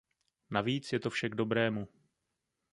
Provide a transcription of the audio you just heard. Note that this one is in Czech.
Navíc je to vše k dobrému.